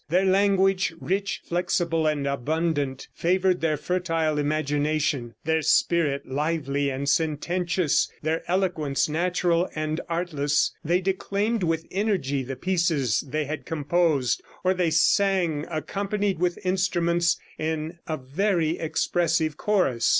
Their language, rich, flexible and abundant, favored their fertile imagination; their spirit lively and sententious; their eloquence natural and artless, they declaimed with energy the pieces they had composed, or they sang, accompanied with instruments, in a very expressive chorus.